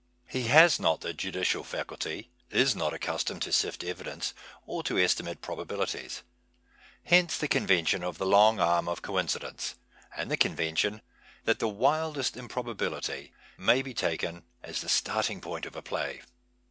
He has not the judicial faculty, is not accustomed to sift evi dence or to estimate probabilities. Hence the con vention of the " long arm of coincidence " and the convention that the wildest improbability may be taken as the starting point of a j)lay.